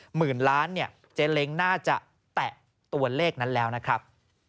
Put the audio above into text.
หมื่นล้านเนี่ยเจ๊เล้งน่าจะแตะตัวเลขนั้นแล้วนะครับ